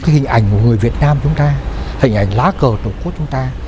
hình ảnh của người việt nam chúng ta hình ảnh lá cờ tổng cốt chúng ta